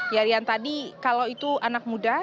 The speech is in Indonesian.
ya rian tadi kalau itu anak muda